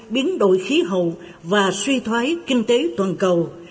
biến đổi khí hậu và suy thoái kinh tế toàn cầu